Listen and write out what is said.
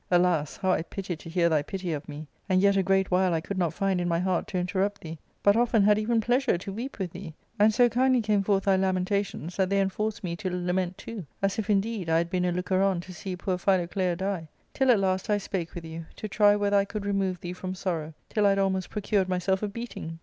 Alas ! how I pitied to hear thy pity of me ; and yet a great while I could not find in my heart to interrupt thee, but often had even plea sure to weep with thee ; and so kindly came forth thy lamen tations that they enforced me to lament too, as if, indeed, I had been a looker on to see poor Philoclea die. Till at last I spake with you, to try whether I could remove thee from sorrow, till I had almost procured myself a beating."